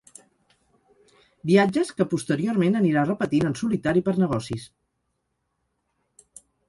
Viatges que posteriorment anirà repetint en solitari per negocis.